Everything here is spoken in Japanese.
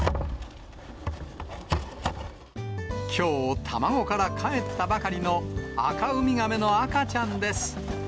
きょう、卵からかえったばかりのアカウミガメの赤ちゃんです。